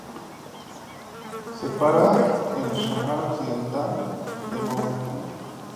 Separa el Sahara Occidental de Mauritania.